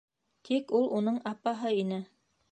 Тик ул уның апаһы ине.